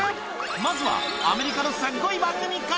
まずは、アメリカのすっごい番組から。